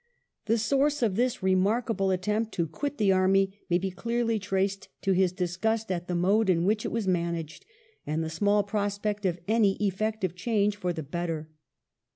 The I ASKS FOR CIVIL EMPLOYMENT 13 source of this remarkable attempt to quit the army may be clearly traced to his disgust at the mode in which it was managed, and the small prospect of any effective change for the better.